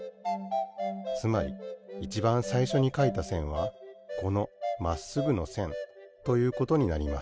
つまりいちばんさいしょにかいたせんはこのまっすぐのせんということになります。